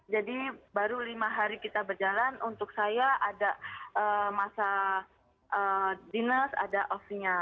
jadi baru lima hari kita berjalan untuk saya ada masa dinas ada ofinya